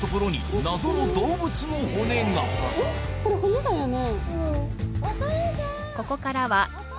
えっこれ骨だよね？